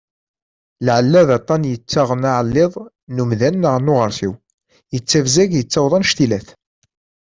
Lɛella d aṭan yettaɣen aɛelliḍ n umdan neɣ n uɣarsiw, yettabzag yettaweḍ anec-ilat.